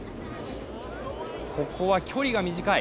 ここは距離が短い。